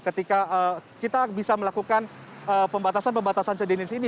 ketika kita bisa melakukan pembatasan pembatasan sejenis ini